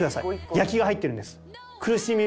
焼きが入ってるんです。